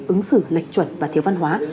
ứng xử lệch chuẩn và thiếu văn hóa